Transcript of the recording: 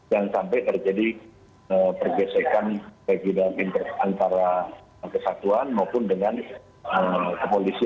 dan sampai terjadi pergesekan antara kesatuan maupun dengan kepolisian